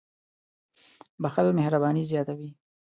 • بښل مهرباني زیاتوي.